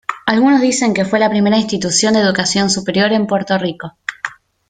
Algunos dicen que fue la primera institución de educación superior en Puerto Rico.